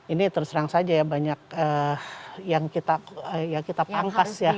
ini terserang saja ya banyak yang kita pangkas ya